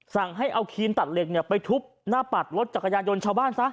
สั่งให้เอาครีนตัดเหล็กไปทุบหน้าปัดรถจักรยานยนต์ชาวบ้านซะ